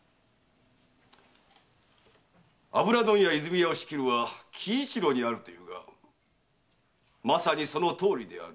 油問屋・和泉屋を仕切るは喜一郎にあるというがまさにそのとおりである。